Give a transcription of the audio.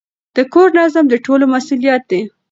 د کور نظم د ټولو مسئولیت دی.